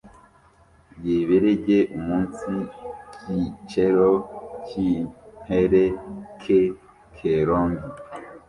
yeberege umunsi cyicero cy’intere ke Kerongi